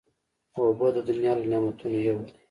اوبه د دنیا له نعمتونو یو دی.